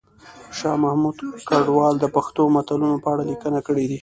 شاه محمود کډوال د پښتو متلونو په اړه لیکنه کړې ده